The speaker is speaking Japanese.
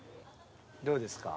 どうですか？